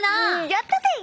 やったぜ！